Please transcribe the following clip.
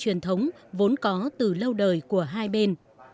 truyền thống vốn có từ lâu đời của hai bên